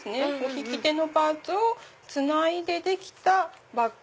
引き手のパーツをつないでできたバッグ。